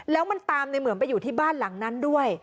แล้วมันตามในเหมือนไปอยู่ที่บ้านหลังนั้นด้วย